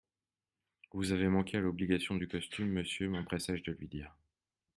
Vous avez manqué à l'obligation du costume, monsieur, m'empressai-je de lui dire.